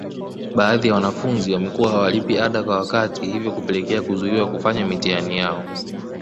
Baadhi ya wanafunzi wamekuwa hawalipi ada kwa wakati hivyo kupelekea kuzuiwa kufanya mitihani yao